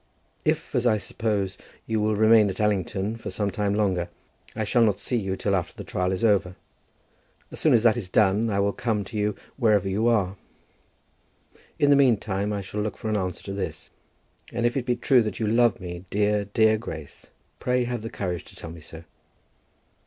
If, as I suppose, you will remain at Allington for some time longer, I shall not see you till after the trial is over. As soon as that is done, I will come to you wherever you are. In the meantime I shall look for an answer to this; and if it be true that you love me, dear, dear Grace, pray have the courage to tell me so.